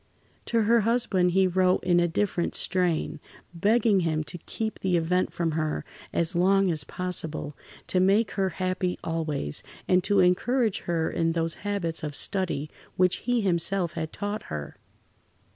To her husband he wrote in a different strain, begging him to keep the event from her as long as possible, to make her happy always, and to encourage her in those [Pg 69]habits of study which he himself had taught her.